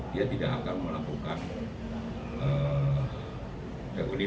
dia tidak akan melakukan reguler